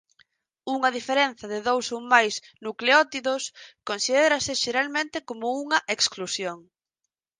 Unha diferenza de dous ou máis nucleótidos considérase xeralmente como unha exclusión.